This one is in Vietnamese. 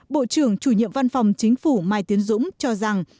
bộ trưởng chủ nhiệm văn phòng chính phủ mai tiến dũng cho rằng